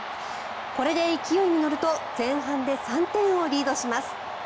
これで勢いに乗ると前半で３点をリードします。